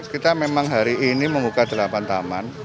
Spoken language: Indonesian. kita memang hari ini membuka delapan taman